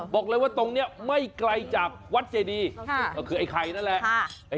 บอกเลยว่าตรงนี้ไม่ไกลจากวัดเจดีก็คือไอ้ไข่นั่นแหละ